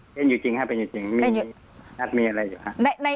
เป็นอยู่จริงค่ะเป็นอยู่จริงมีนักมีอะไรอยู่ค่ะ